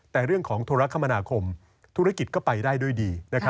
แต่เรื่องของธุรกรรมนาคมธุรกิจก็ไปได้ด้วยดี